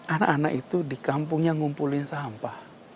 anak anak itu di kampungnya ngumpulin sampah